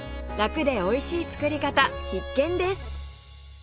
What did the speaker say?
楽でおいしい作り方必見です